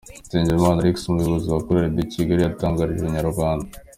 Nizeyimana Alex umuyobozi wa Chorale de Kigali yatangarije Inyarwanda.